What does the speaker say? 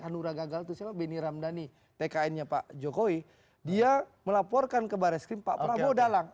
hanura gagal tuh beniramdhani tkn nya pak jokowi dia melaporkan ke baris krim pak prabowo dalang